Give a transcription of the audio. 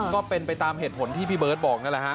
ก็เป็นไปตามเหตุผลที่พี่เบิร์ตบอกนั่นแหละฮะ